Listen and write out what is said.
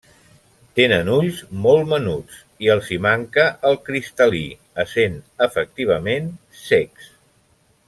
Tenen ulls molt menuts i els hi manca el cristal·lí, essent efectivament cecs.